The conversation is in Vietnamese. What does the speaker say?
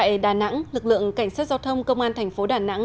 nói về nồng độ cồn tại đà nẵng lực lượng cảnh sát giao thông công an tp đà nẵng